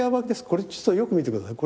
これちょっとよく見て下さい。